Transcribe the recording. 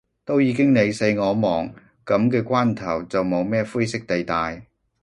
都已經你死我亡，噉嘅關頭，就冇咩灰色地帶